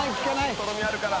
とろみあるから。